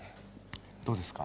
どうですか？